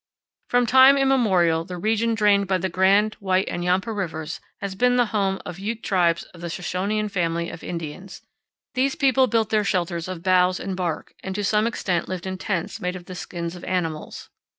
From time immemorial the region drained by the Grand, White, and Yampa rivers has been the home of Ute tribes of the Shoshonean powell canyons 37.jpg A TUSAYAN FIELD SHELTER. family of Indians. These people built their shelters of boughs and bark, and to some extent lived in tents made of the skins of animals.